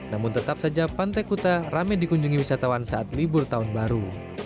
namun tetap saja pantai kuta rame dikunjungi wisatawan saat libur tahun baru